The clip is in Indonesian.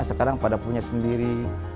sekarang pada punya sendiri